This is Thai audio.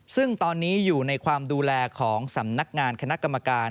ซึ่งตอนนี้อยู่ในความดูแลของสำนักงานคณะกรรมการ